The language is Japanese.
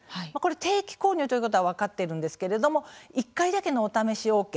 定期購入ということは分かっているんですけれども１回だけのお試しＯＫ。